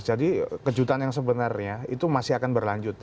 jadi kejutan yang sebenarnya itu masih akan berlanjut